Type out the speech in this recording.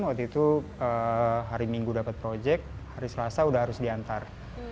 waktu itu hari minggu dapat proyek hari selasa udah harus diantar